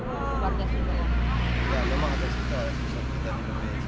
ya memang ada kesusahan